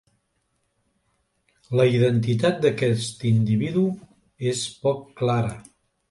La identitat d'aquest individu és poc clara.